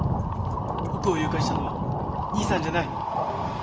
僕を誘拐したのは兄さんじゃない！